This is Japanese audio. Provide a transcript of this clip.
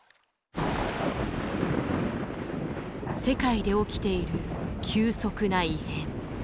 世界で起きている急速な異変。